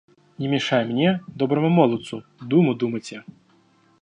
Не мешай мне, доброму молодцу, думу думати.